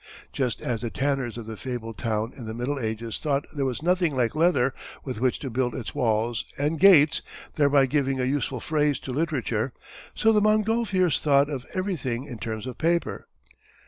Just as the tanners of the fabled town in the Middle Ages thought there was "nothing like leather" with which to build its walls and gates, thereby giving a useful phrase to literature, so the Montgolfiers thought of everything in terms of paper.